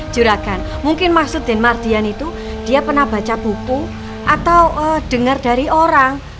juragan mungkin maksud denmardian itu dia pernah baca buku atau dengar dari orang